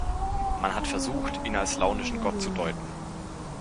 Man hat versucht, ihn als launischen Gott zu deuten.